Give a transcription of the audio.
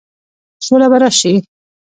سوله به راشي؟